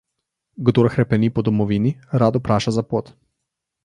Kdor hrepeni po domovini, rad vpraša za pot.